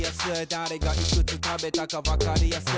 だれがいくつ食べたかわかりやすい。